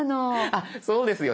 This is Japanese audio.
あっそうですよね。